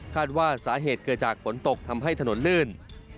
ว่าสาเหตุเกิดจากฝนตกทำให้ถนนลื่น